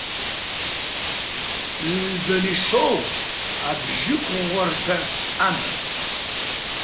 Ҩбаны ишоу абжьықәрыӷәӷәарҭа амам.